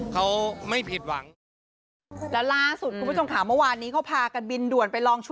เขาไม่ผิดหวัง